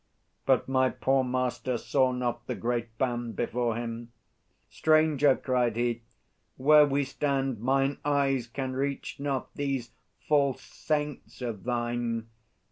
But my poor master saw not the great band Before him. "Stranger," cried he, "where we stand Mine eyes can reach not these false saints of thine.